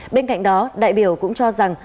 bên cạnh đó đại biểu cũng cho rằng